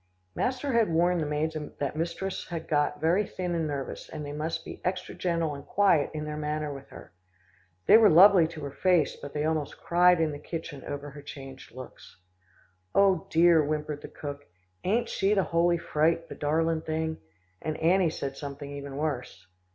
Master had warned the maids that mistress had got very thin and nervous, and they must be extra gentle and quiet in their manner with her. They were lovely to her face, but they almost cried in the kitchen over her changed looks. "Oh! dear," whimpered cook, "ain't she the holy fright the darlin' thing," and Annie said something even worse.